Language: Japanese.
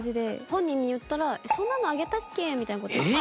本人に言ったら「そんなのあげたっけ？」みたいな事言って。